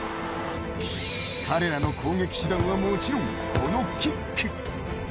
彼らの攻撃手段は、もちろんこのキック。